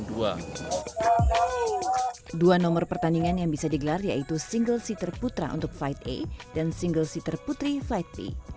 dua nomor pertandingan yang bisa digelar yaitu single seater putra untuk fight a dan single seater putri flight b